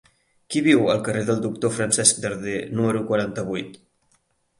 Qui viu al carrer del Doctor Francesc Darder número quaranta-vuit?